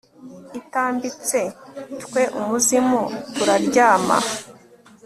itambitse twe umuzimu turaryama